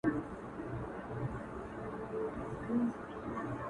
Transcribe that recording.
ژوند څه دی پيل يې پر تا دی او پر تا ختم ـ